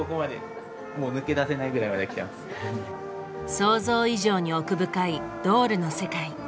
想像以上に奥深いドールの世界。